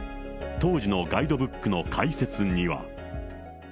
当時のガイドブックの解説には。